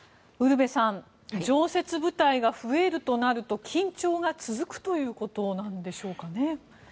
ウルヴェさん常設部隊が増えるとなると緊張が続くということなんでしょうかね。